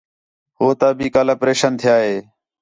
ہو تا بھی کل اپریشن تِھیا ہِے